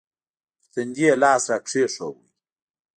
پر تندي يې لاس راکښېښوو.